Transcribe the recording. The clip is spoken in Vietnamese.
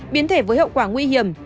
biến thể với hậu quả nguy hiểm